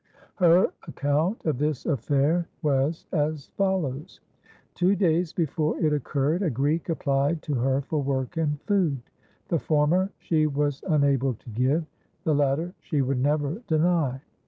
Her account of this affair was as follows: Two days before it occurred, a Greek applied to her for work and food. The former she was unable to give; the latter she would never deny.